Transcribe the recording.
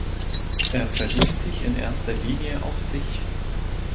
Er verließ sich in erster Linie auf sich.